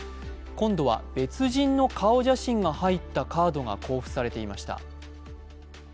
今度は別人の顔写真が入ったカードが交付されていました。